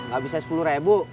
gak bisa sepuluh ribu